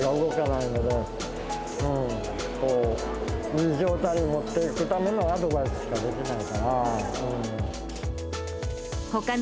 いい状態に持っていくためのアドバイスしかできないから。